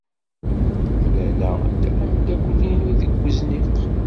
Mlaleɣ-d ameddakel-inu deg wezniq.